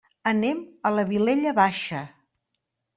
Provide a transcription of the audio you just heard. Anem a la Vilella Baixa.